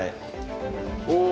おお！